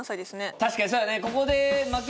確かにそうだね